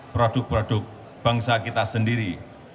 produk produk bangsa kita sendiri